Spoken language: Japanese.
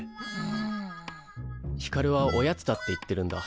ひかるは「おやつだ」って言ってるんだ。